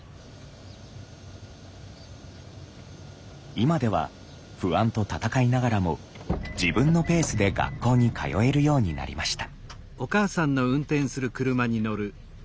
今では不安と闘いながらも自分のペースで学校に通えるようになりました。